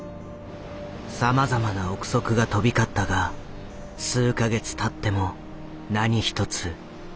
さまざまな臆測が飛び交ったが数か月たっても何一つ進展はなかった。